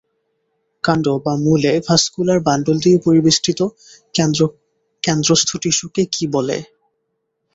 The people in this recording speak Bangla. কাণ্ড বা মূলে ভাস্কুলার বান্ডল দিয়ে পরিবেষ্টিত কেন্দ্রস্থ টিস্যুকে কী বলে?